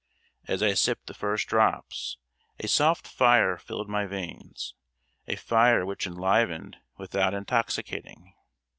As I sipped the first drops, a soft fire filled my veins, a fire which enlivened without intoxicating.